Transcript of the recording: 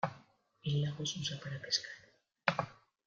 El lago se usa para pescar.